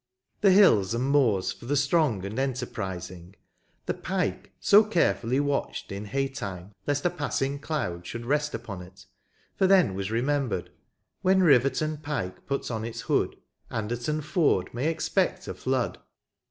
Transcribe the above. — the hills and moors for the strong and enterprizing ; the " Pike/' so care fully watched in hay time, lest a passing cloud should rest upon it, for then was remembered, " When Riverton Pike puts on its hood, Anderton Ford may expect a flood."